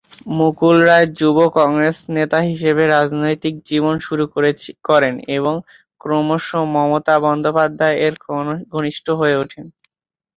মুকুল রায় যুব কংগ্রেস নেতা হিসাবে রাজনৈতিক জীবন শুরু করেন এবং ক্রমশ মমতা বন্দ্যোপাধ্যায় এর ঘনিষ্ঠ হয়ে ওঠেন।